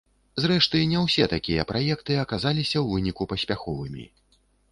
Зрэшты, не ўсе такія праекты аказаліся ў выніку паспяховымі.